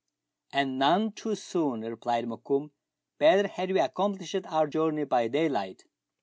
1 75 "And none too soon," replied Mokoum ; "better had we accomplished our journey by daylight."